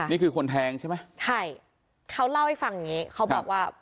นี่คือคนแทงใช่ไหมใช่เขาเล่าให้ฟังอย่างงี้เขาบอกว่า